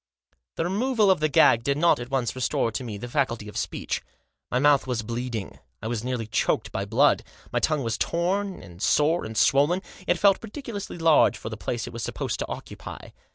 The removal of the gag did not at once restore to me the faculty of speech. My mouth was bleeding, I was nearly choked by blood. My tongue was torn, and sore, and swollen. It felt ridiculously large for the place it was supposed to occupy.